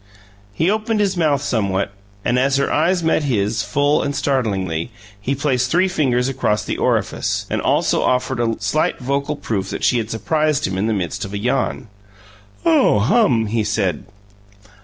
He opened his mouth somewhat, and as her eyes met his, full and startlingly, he placed three fingers across the orifice, and also offered a slight vocal proof that she had surprised him in the midst of a yawn. "Oh, hum!" he said.